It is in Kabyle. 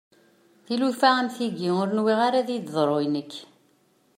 Tilufa am tiyi ur nwiɣ ara ad iyi-d-teḍru i nekk.